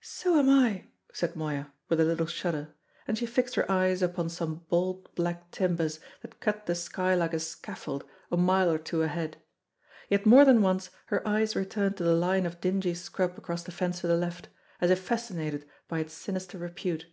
"So am I," said Moya, with a little shudder; and she fixed her eyes upon some bold black timbers that cut the sky like a scaffold a mile or two ahead; yet more than once her eyes returned to the line of dingy scrub across the fence to the left, as if fascinated by its sinister repute.